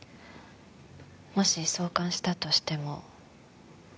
もし挿管したとしても。